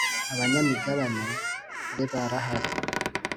Abanyamigabane be barahari.